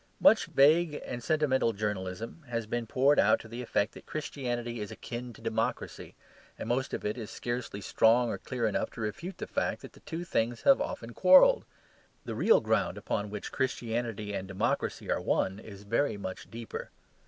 Much vague and sentimental journalism has been poured out to the effect that Christianity is akin to democracy, and most of it is scarcely strong or clear enough to refute the fact that the two things have often quarrelled. The real ground upon which Christianity and democracy are one is very much deeper.